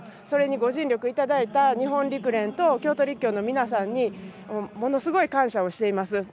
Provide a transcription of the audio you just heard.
それにご尽力いただいた日本陸連と京都陸競の皆さんにものすごい感謝をしています。